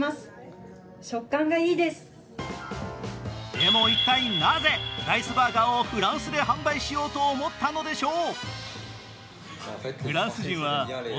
でも一体なぜ、ライスバーガーをフランスで販売しようと思ったのでしょう。